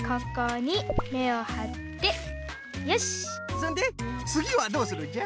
そんでつぎはどうするんじゃ？